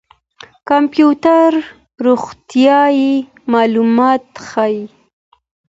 کمپيوټر روغتيايي معلومات ښيي.